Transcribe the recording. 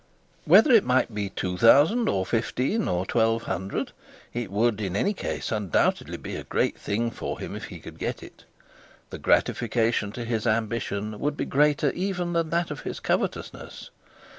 Whether it might be two thousand, of fifteen, or twelve hundred, it would in any case undoubtedly be a great thing for him, if he could get it. The gratification to his ambition would be greater even than that of his covetousness.